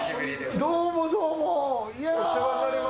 どうも、どうも。